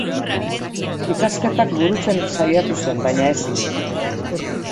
Ikasketak burutzen saiatu zen baina ezin.